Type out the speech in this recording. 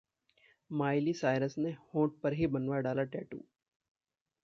Miley Cyrus ने होंठ पर ही बनवा डाला टैटू